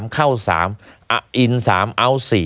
เข้า๓ออิน๓เอาท์๔